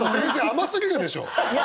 甘すぎるでしょ。